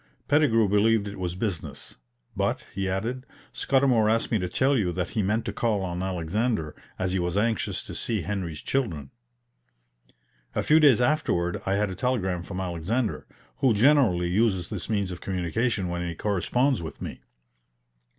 Pettigrew believed it was business; "but," he added, "Scudamour asked me to tell you that he meant to call on Alexander, as he was anxious to see Henry's children." A few days afterward I had a telegram from Alexander, who generally uses this means of communication when he corresponds with me.